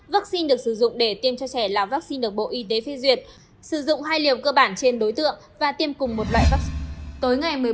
vắc xin được sử dụng để tiêm cho trẻ là vắc xin được bộ y tế phê duyệt sử dụng hai liều cơ bản trên đối tượng và tiêm cùng một loại vắc xin